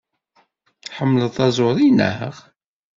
Tḥemmleḍ taẓuri, naɣ?